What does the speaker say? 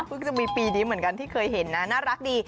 จะมีปีนี้เหมือนกันที่เคยเห็นนะน่ารักดี